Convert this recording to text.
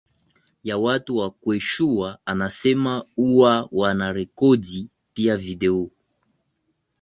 ya watu wa Quechua anasema huwa wanarekodi pia video